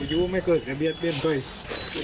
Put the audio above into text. ถ้าหนูทำแบบนั้นพ่อจะไม่มีรับบายเจ้าให้หนูได้เอง